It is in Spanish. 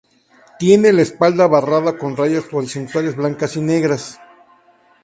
Tiene la espalda barrada con rayas horizontales blancas y negras.